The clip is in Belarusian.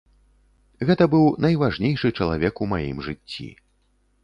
Гэта быў найважнейшы чалавек у маім жыцці.